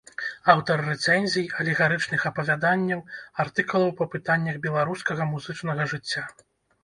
Аўтар рэцэнзій, алегарычных апавяданняў, артыкулаў па пытаннях беларускага музычнага жыцця.